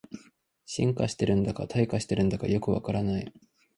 進化してるんだか退化してるんだかよくわからない